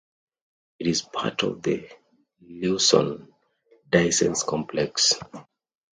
It is part of the Cleuson-Dixence Complex.